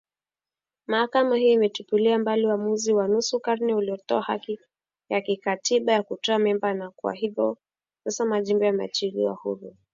mahakama hiyo imetupilia mbali uamuzi wa nusu karne uliotoa haki ya kikatiba ya kutoa mimba na kwa hivyo sasa majimbo yameachiwa uhuru